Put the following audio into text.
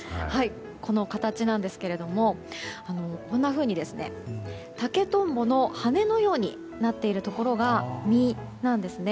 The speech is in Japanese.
この形なんですけども竹トンボの羽根のようになっているところが実なんですね。